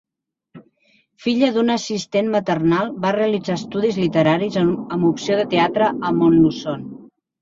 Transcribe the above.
Filla d'una assistent maternal, va realitzar estudis literaris amb opció de teatre a Montluçon.